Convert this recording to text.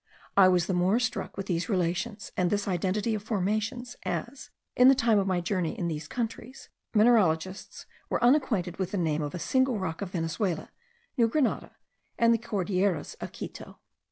I was the more struck with these relations, and this identity of formations, as, at the time of my journey in these countries, mineralogists were unacquainted with the name of a single rock of Venezuela, New Grenada, and the Cordilleras of Quito.